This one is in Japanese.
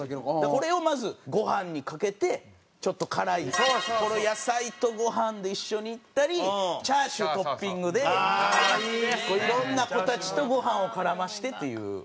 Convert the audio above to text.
これをまずご飯にかけてちょっと辛いこの野菜とご飯で一緒にいったりチャーシュートッピングでこういろんな子たちとご飯を絡ませてっていう。